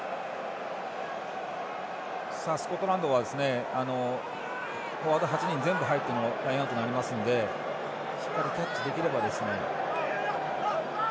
スコットランドはフォワード８人全員入ってのラインアウトになりますのでしっかりキャッチできれば。